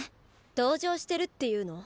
同情してるっていうの？